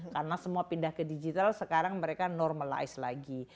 karena semua pindah ke digital sekarang mereka normalize lagi